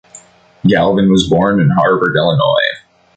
Galvin was born in Harvard, Illinois.